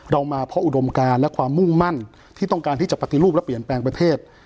เรามาเพราะอุดมการและความมุ่งมั่นที่ต้องการที่จะปฏิรูปและเปลี่ยนแปลงประเทศ